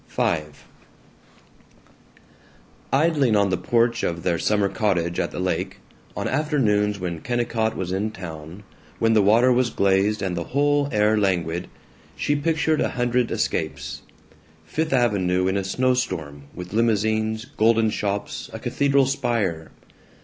V Idling on the porch of their summer cottage at the lake, on afternoons when Kennicott was in town, when the water was glazed and the whole air languid, she pictured a hundred escapes: Fifth Avenue in a snow storm, with limousines, golden shops, a cathedral spire.